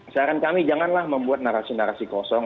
saran kami janganlah membuat narasi narasi kosong